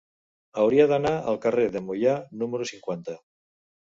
Hauria d'anar al carrer de Moià número cinquanta.